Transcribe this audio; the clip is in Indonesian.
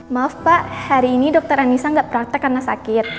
maaf pak hari ini dokter anissa gak praktek karena sakit